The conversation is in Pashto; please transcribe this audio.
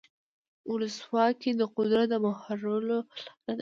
ولسواکي د قدرت د مهارولو لاره ده.